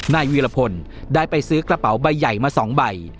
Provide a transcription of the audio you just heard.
นายวีรพลได้ไปซื้อกระเป๋าใบใหญ่มา๒ใบ